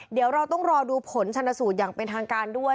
เดี๋ยวเราต้องรอดูผลชนสูตรอย่างเป็นทางการด้วย